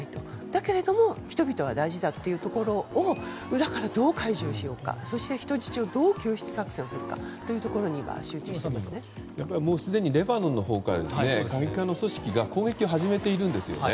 だけれども人々は大事だということで裏からどう開示しようか人質をどう救出しようかすでにレバノンのほうから過激派の組織が攻撃を始めているんですよね。